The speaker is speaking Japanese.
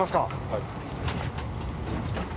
はい。